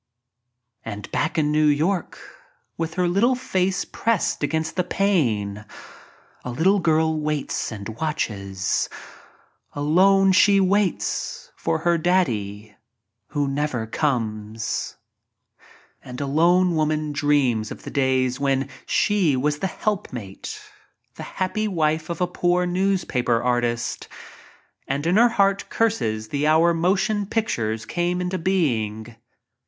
And back in New York with her little face pressed against the pane a little girl waits and watches — alone she waits for her "Daddy" who never comes. a lone woman dreams of the days when she was the helpmate— the happy wife of a poor news paper artist — and in her heart curses the hour mo tion pictures came into being.